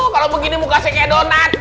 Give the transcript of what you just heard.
kalau begini muka saya kayak donat